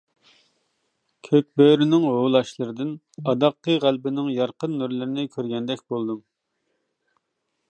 كۆك بۆرىنىڭ ھۇۋلاشلىرىدىن ئاداققى غەلىبىنىڭ يارقىن نۇرلىرىنى كۆرگەندەك بولدۇم.